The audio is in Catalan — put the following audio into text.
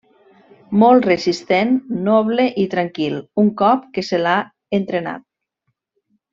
Molt resistent, noble i tranquil un cop que se l'ha entrenat.